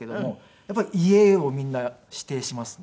やっぱり家をみんな指定しますね。